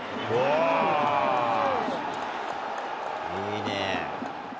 いいねぇ。